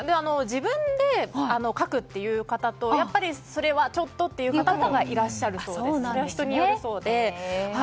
自分で書くっていう方とそれはちょっとという方がいらっしゃるそうで人によるそうです。